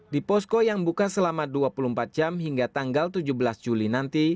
di posko yang buka selama dua puluh empat jam hingga tanggal tujuh belas juli nanti